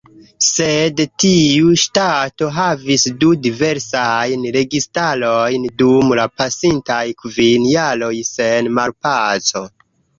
Sed tiu ŝtato havis du diversajn registarojn dum la pasintaj kvin jaroj, sen malpaco.